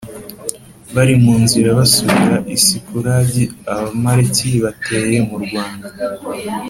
bari mu nzira basubira i Sikulagi Abamaleki bateye murwanda